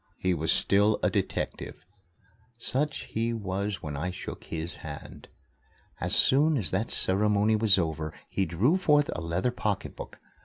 He was still a detective. Such he was when I shook his hand. As soon as that ceremony was over, he drew forth a leather pocketbook.